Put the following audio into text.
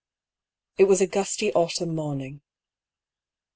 It was a gusty autumn morning.